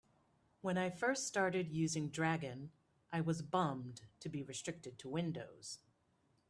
When I first started using Dragon, I was bummed to be restricted to Windows.